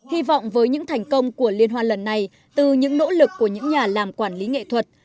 hy vọng với những thành công của liên hoa lần này từ những nỗ lực của những nhà làm quản lý nghệ thuật